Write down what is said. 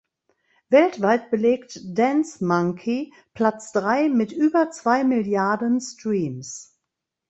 Weltweit belegt "Dance Monkey" Platz drei mit über zwei Milliarden Streams.